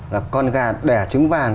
là con gà đẻ trứng vàng